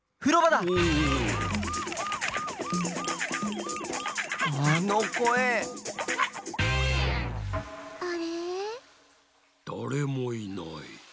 だれもいない。